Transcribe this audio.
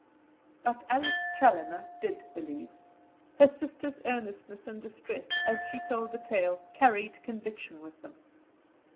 But Alice Challoner did believe; her sister's earnestness and distress, as she told the tale, carried conviction with them.